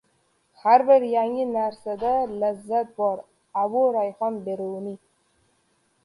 Har bir yangi narsada lazzat bor. Abu Rayhon Beruniy